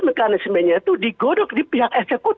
mekanismenya itu digodok di pihak eksekutif